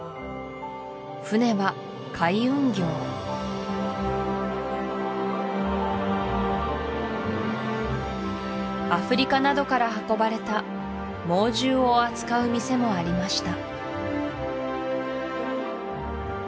船は海運業アフリカなどから運ばれた猛獣を扱う店もありました